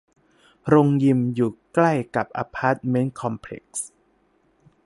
โรงยิมอยู่ใกล้กับอพาร์ตเมนต์คอมเพล็กซ์